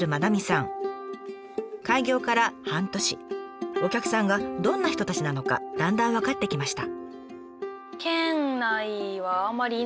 開業から半年お客さんがどんな人たちなのかだんだん分かってきました。